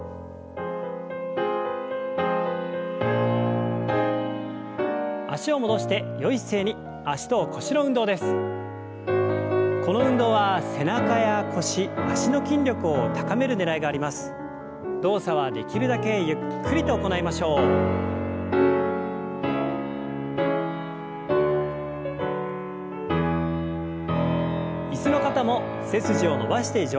椅子の方も背筋を伸ばして上体を前に倒します。